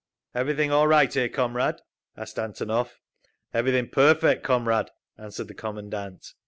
"Everything all right here, comrade?" asked Antonov. "Everything perfect, comrade," answered the commandant.